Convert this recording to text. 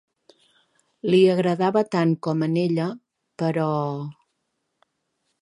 Li agradava tant com a n'ella, però...